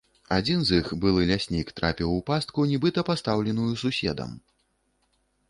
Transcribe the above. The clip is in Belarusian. Адзін з іх, былы ляснік, трапіў у пастку, нібыта пастаўленую суседам.